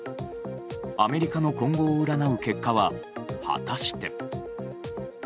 アメリカの今後を占う結果は果たして。